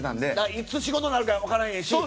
いつ仕事なくなるか分からへんし。